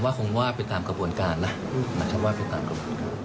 ผมว่าคงว่าไปตามกระบวนการนะครับ